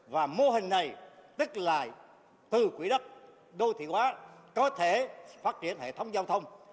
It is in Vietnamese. và mô hình này tức là từ quỹ đất đô thị hóa có thể phát triển hệ thống giao thông